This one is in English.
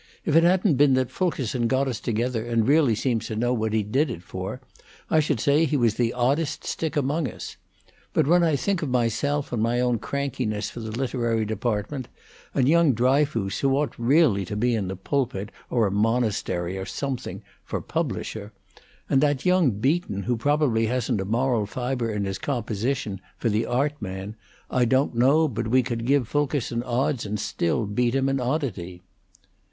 If it hadn't been that Fulkerson got us together, and really seems to know what he did it for, I should say he was the oddest stick among us. But when I think of myself and my own crankiness for the literary department; and young Dryfoos, who ought really to be in the pulpit, or a monastery, or something, for publisher; and that young Beaton, who probably hasn't a moral fibre in his composition, for the art man, I don't know but we could give Fulkerson odds and still beat him in oddity."